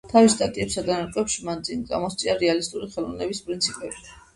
თავის სტატიებსა და ნარკვევებში მან წინ წამოსწია რეალისტური ხელოვნების პრინციპები.